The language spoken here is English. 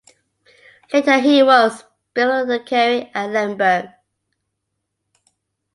Later he was bibliothecary at Lemberg.